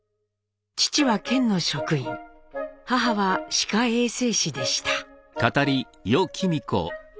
父は県の職員母は歯科衛生士でした。